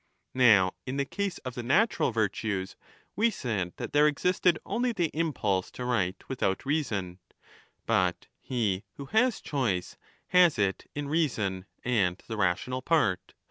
Now in the case of the natural virtues we said that there existed only the impulse to right with 1200* out reason ; but he who has choice has it in reason and the rational part.